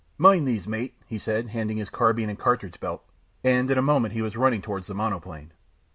"Mind these, mate," he said, handing his carbine and cartridge belt; and in a moment he was running towards the monoplane.